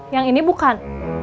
yang ini bukan